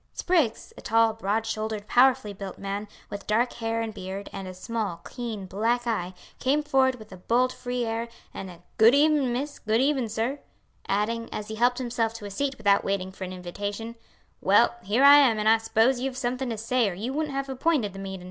Spriggs, a tall, broad shouldered, powerfully built man, with dark hair and beard and a small, keen black eye, came forward with a bold free air and a "Good even', miss, good even', sir;" adding, as he helped himself to a seat without waiting for an invitation, "Well, here I am, and I s'pose you've somethin' to say or you wouldn't have appointed the meetin'."